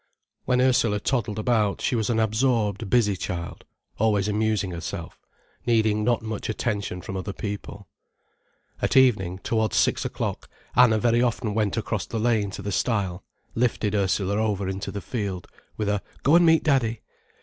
When Ursula toddled about, she was an absorbed, busy child, always amusing herself, needing not much attention from other people. At evening, towards six o'clock, Anna very often went across the lane to the stile, lifted Ursula over into the field, with a: "Go and meet Daddy."